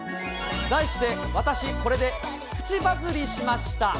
題して、私、コレでプチバズりしました。